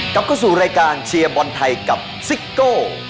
กลับเข้าสู่รายการเชียร์บอลไทยกับซิโก้